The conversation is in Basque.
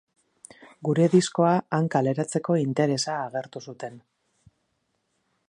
Gure diskoa han kaleratzeko interesa agertu zuten.